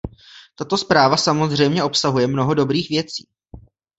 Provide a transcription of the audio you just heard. Tato zpráva samozřejmě obsahuje mnoho dobrých věcí.